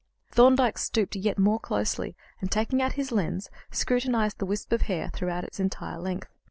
Thorndyke stooped yet more closely, and, taking out his lens, scrutinized the wisp of hair throughout its entire length.